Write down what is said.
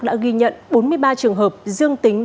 đã ghi nhận bốn mươi ba trường hợp dương tính